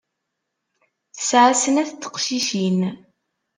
Tesɛa snat n teqcicin.